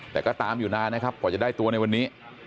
แต่ก็ตามอยู่นานนะครับกว่าจะได้ตัวในวันนี้